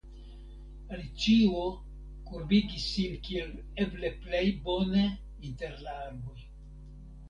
Alicio kurbigis sin kiel eble plej bone inter la arboj.